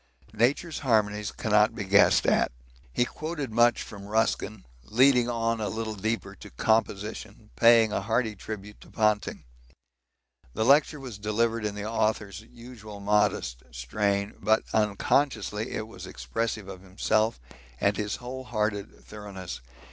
Nature's harmonies cannot be guessed at. He quoted much from Ruskin, leading on a little deeper to 'Composition,' paying a hearty tribute to Ponting. The lecture was delivered in the author's usual modest strain, but unconsciously it was expressive of himself and his whole hearted thoroughness.